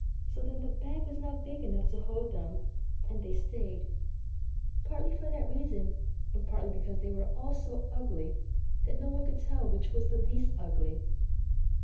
So then the bag was not big enough to hold them, and they stayed, partly for that reason, and partly because they were all so ugly that no one could tell which was the least ugly.